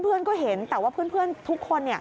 เพื่อนก็เห็นแต่ว่าเพื่อนทุกคน